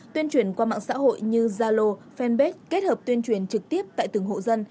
tuyên truyền qua mạng xã hội như zalo fanpage kết hợp tuyên truyền trực tiếp tại từng hộ dân